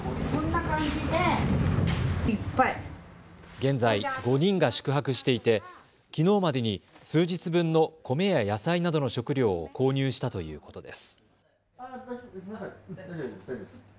現在、５人が宿泊していてきのうまでに数日分の米や野菜などの食料を購入したということです。